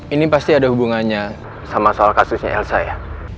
ini pasti ada hubungannya sama soal kasusnya elsa ya